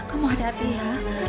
aku mau pergi ya